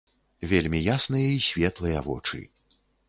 Вельмі ясныя і светлыя вочы.